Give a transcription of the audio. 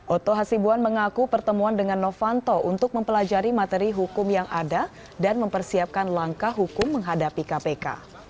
oto hasibuan mengaku pertemuan dengan novanto untuk mempelajari materi hukum yang ada dan mempersiapkan langkah hukum menghadapi kpk